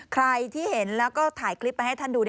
ใครที่เห็นแล้วก็ถ่ายคลิปไปให้ท่านดู